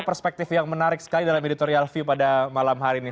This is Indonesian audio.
perspektif yang menarik sekali dalam editorial view pada malam hari ini